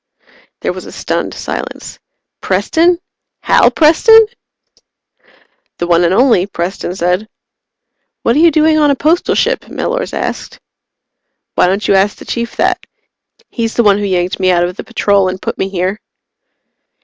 There was a stunned silence. "Preston? Hal Preston?" "The one and only," Preston said. "What are you doing on a Postal ship?" Mellors asked. "Why don't you ask the Chief that? He's the one who yanked me out of the Patrol and put me here."